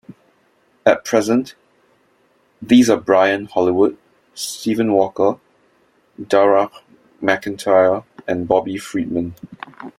At present, these are Brian Hollywood, Stephen Walker, Darragh MacIntyre and Bobby Friedman.